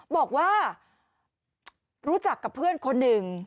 บอกว่ารู้จักกับเพื่อนคนหนึ่ง